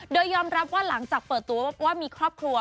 โดยยอมรับว่าหลังจากเปิดตัวว่ามีครอบครัว